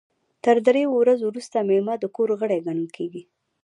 تر دریو ورځو وروسته میلمه د کور غړی ګڼل کیږي.